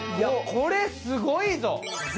これすごいぞ。